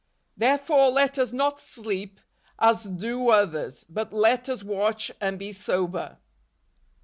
" Therefore, let us not sleep, as do others; but let us watch and be sober."